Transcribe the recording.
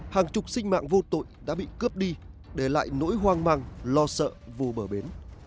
hàng chục sinh mạng vô tội đã bị cướp đi để lại nỗi hoang mang lo sợ vụ bờ bến